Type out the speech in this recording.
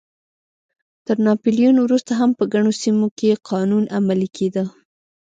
تر ناپلیون وروسته هم په ګڼو سیمو کې قانون عملی کېده.